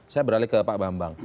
saya beralih ke pak bambang